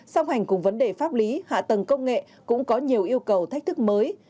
song hành cùng vấn đề pháp lý hạ tầng công nghệ cũng có nhiều yêu cầu thách thức mới